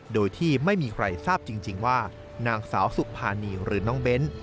โดยที่ไม่มีใครทราบจริงว่านางสาวสุภานีหรือน้องเบ้น